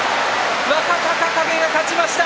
若隆景が勝ちました。